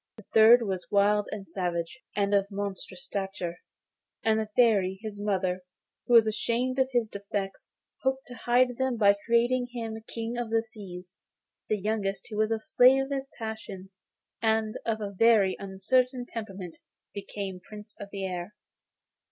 The third was wild and savage, and of monstrous stature; and the Fairy, his mother, who was ashamed of his defects, hoped to hide them by creating him King of the Seas. The youngest, who was the slave of his passions and of a very uncertain temper, became Prince of the Air.